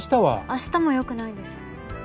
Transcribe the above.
明日も良くないです。